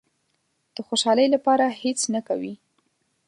د خوشالۍ لپاره هېڅ نه کوي.